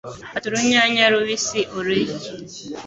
Fata urunyanya rubisi ururye